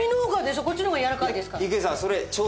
こっちの方がやわらかいですから。